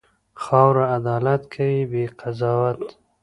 خاوره عدالت کوي، بې قضاوت.